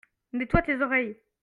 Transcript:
Nettoie tes oreilles.